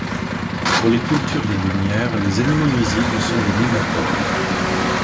Pour les cultures légumières, les animaux nuisibles sont des nématodes.